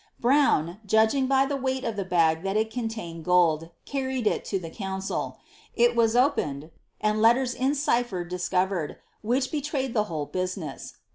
Brown, judging by the weight of the bag that it contained gold, carried it to the council. It was opened, and letters in cipher discovered, which betrayed the whole business.